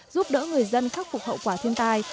giúp đỡ người dân khắc phục hậu quả thiên tai